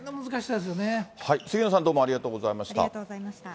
杉野さん、どうもありがとうありがとうございました。